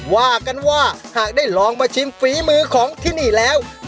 ว่ากันว่าหากได้ลองมาชิมฝีมือของที่นี่แล้ว